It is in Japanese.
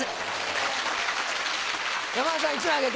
山田さん１枚あげて。